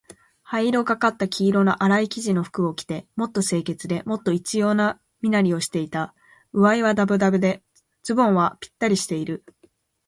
灰色がかった黄色のあらい生地の服を着て、もっと清潔で、もっと一様な身なりをしていた。上衣はだぶだぶで、ズボンはぴったりしている。